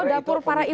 dapur para ibu ibu